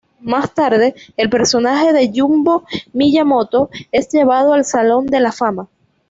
Más tarde, el personaje de Jumbo Miyamoto es llevado al Salón de la Fama.